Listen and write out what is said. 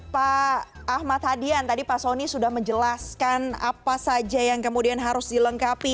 pak ahmad hadian tadi pak soni sudah menjelaskan apa saja yang kemudian harus dilengkapi